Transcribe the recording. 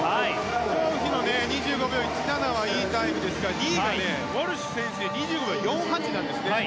チョウ・ウヒの２５秒１７はいいタイムですが２位のウォルシュ選手が２５秒４８なんですね。